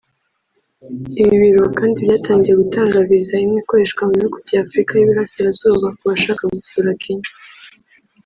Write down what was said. Ibi biro kandi byatangiye gutanga viza imwe ikoreshwa mu Bihugu by’Afurikaa y’Iburasirazuba ku bashaka gusura Kenya